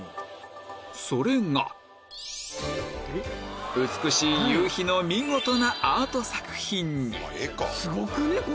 それが美しい夕日の見事なアート作品にすごくね？